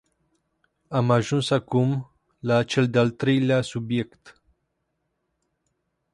Am ajuns acum la cel de-al treilea subiect.